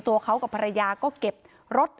ตัวเขากับภรรยาก็เก็บรถ